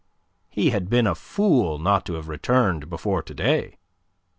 He had been a fool not to have returned before to day.